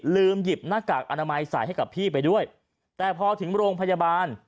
หยิบหน้ากากอนามัยใส่ให้กับพี่ไปด้วยแต่พอถึงโรงพยาบาล